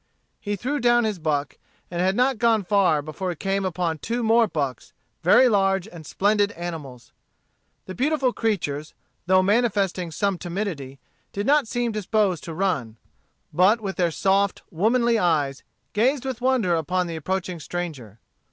He threw down his buck, and had not gone far before he came upon two more bucks, very large and splendid animals. The beautiful creatures, though manifesting some timidity, did not seem disposed to run, but, with their soft, womanly eyes, gazed with wonder upon the approaching stranger.